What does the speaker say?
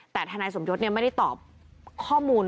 แต่ทนายสมยศไม่ได้ตอบข้อมูล